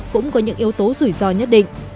cũng có những yếu tố rủi ro nhất định